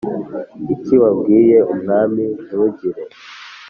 iki wabwiye umwami Ntugire